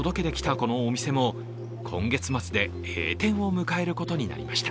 このお店も、今月末で閉店を迎えることになりました。